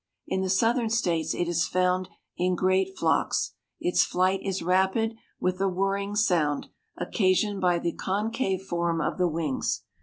In the Southern states it is found in great flocks. Its flight is rapid, with a whirring sound, occasioned by the concave form of the wings.